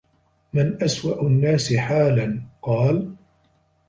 مَنْ أَسْوَأُ النَّاسِ حَالًا ؟ قَالَ